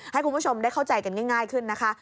ให้คุณผู้ชมได้เข้าใจกันง่ายขึ้นนะคะ